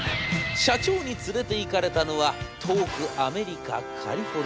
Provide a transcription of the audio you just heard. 社長に連れていかれたのは遠くアメリカカリフォルニア。